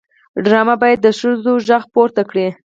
ډرامه باید د ښځو غږ پورته کړي